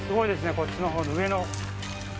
こっちのほうの上の。